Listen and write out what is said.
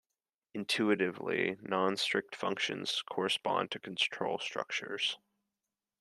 Intuitively, non-strict functions correspond to control structures.